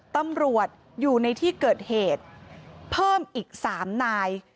ตำรวจอยู่ในที่เกิดเหตุเพิ่มอีก๓นาย